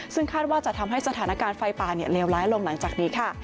ซึ่งคาดว่าจะทำให้สถานการณ์ไฟป่าเลวร้ายลงหลังจากนี้ค่ะ